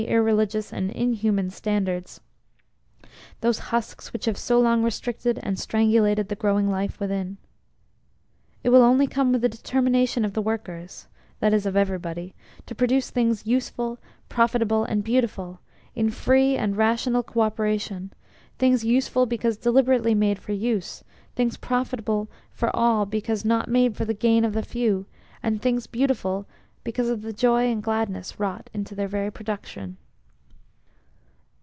irreligious and inhuman standards those husks which have so long restricted and strangulated the growing life within. It will only come with the determination of the workers (that is, of everybody) to produce things useful, profitable, and beautiful, in free and rational co operation things useful because deliberately made for use, things profitable for all because not made for the gain of the few, and things beautiful because of the joy and gladness wrought into their very production.